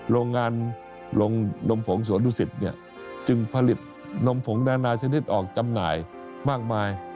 โรงงานโรงนมผงสวนดุสิตเนี่ยจึงผลิตนมผงนานาชนิดออกจำหน่ายมากมาย